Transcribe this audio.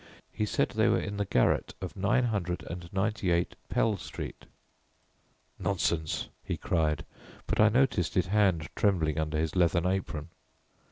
He said they were in the garret of 998 Pell Street." "Nonsense," he cried, but I noticed his hand trembling under his leathern apron.